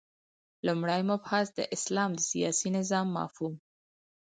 لومړی مبحث : د اسلام د سیاسی نظام مفهوم